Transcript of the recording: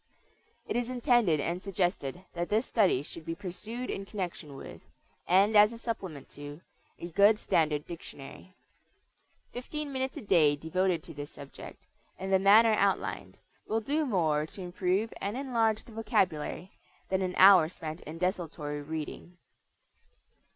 It is intended and suggested that this study should be pursued in connection with, and as a supplement to, a good standard dictionary. Fifteen minutes a day devoted to this subject, in the manner outlined, will do more to improve and enlarge the vocabulary than an hour spent in desultory reading.